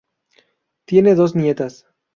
Tiene dos nietas.